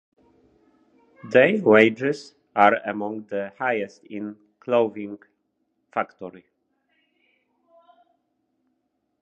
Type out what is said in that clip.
Their wages are among the highest in a clothing factory.